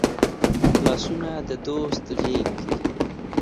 لاسونه د دوست غېږ دي